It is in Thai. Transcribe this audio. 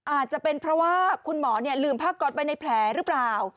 อาจจะเป็นเพราะว่าคุณหมอลืมผ้าก๊อตไปในแผลหรือเปล่า